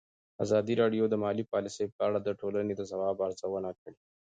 ازادي راډیو د مالي پالیسي په اړه د ټولنې د ځواب ارزونه کړې.